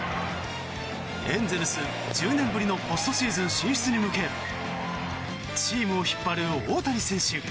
エンゼルス、１０年ぶりのポストシーズン進出に向けチームを引っ張る大谷選手。